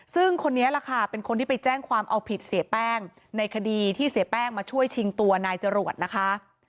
ซึ่งคนนี้แหละค่ะเป็นคนที่ไปแจ้งความเอาผิดเสียแป้งในคดีที่เสียแป้งมาช่วยชิงตัวนายจรวดนะคะ